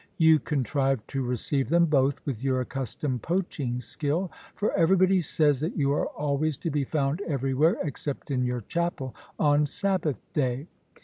You contrive to receive them both, with your accustomed poaching skill. For everybody says that you are always to be found everywhere, except in your chapel, on Sabbath day.